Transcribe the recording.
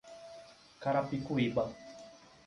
Carapicuíba